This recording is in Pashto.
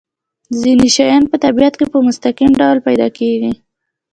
ځینې شیان په طبیعت کې په مستقیم ډول پیدا کیږي.